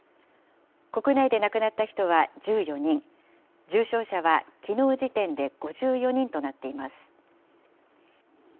国内で亡くなった人は１４人、重症者はきのう時点で５４人となっています。